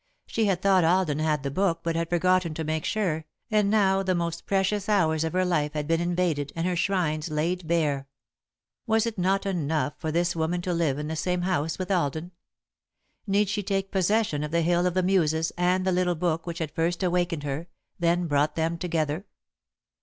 She had thought Alden had the book, but had forgotten to make sure, and now the most precious hours of her life had been invaded and her shrines laid bare. Was it not enough for this woman to live in the same house with Alden? Need she take possession of the Hill of the Muses and the little book which had first awakened her, then brought them together?